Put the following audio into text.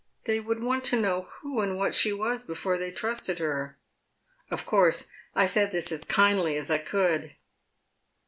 They would want to know who and what she was before they trusted her. Of course I said this as kindly as I could."